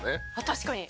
確かに！